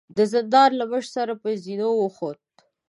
د زندان له مشر سره پر زينو وخوت.